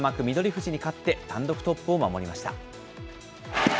富士に勝って、単独トップを守りました。